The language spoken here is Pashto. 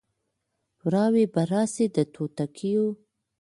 وراوي به راسي د توتکیو